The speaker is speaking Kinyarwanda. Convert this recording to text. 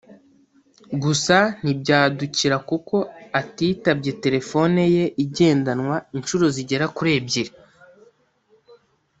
gusa ntibyadukira kuko atitabye terefone ye igendanwa inshuro zigera kuri ebyiri